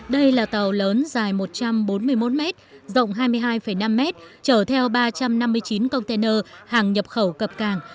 đây là tàu lớn dài một trăm bốn mươi một m rộng hai mươi hai năm m chở theo ba trăm năm mươi chín container hàng nhập khẩu cập càng